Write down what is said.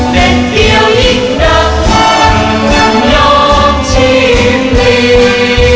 เป็นเกี่ยวยิ่งดังยังยอมชิมลี